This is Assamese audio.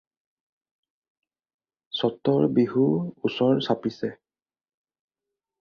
চ'তৰ বিহু ওচৰ চাপিছে।